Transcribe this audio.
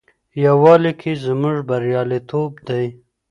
یووالي کې زموږ بریالیتوب دی.